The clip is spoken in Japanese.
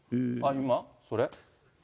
今、それ？